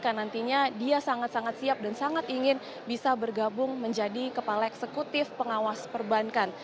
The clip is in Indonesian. karena nantinya dia sangat sangat siap dan sangat ingin bisa bergabung menjadi kepala eksekutif pengawas perbankan